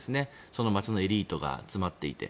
その町のエリートが集まっていて。